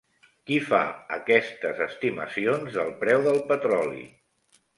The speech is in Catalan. Qui fa aquestes estimacions del preu del petroli?